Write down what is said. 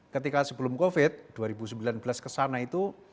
ketika sebelum covid dua ribu sembilan belas kesana itu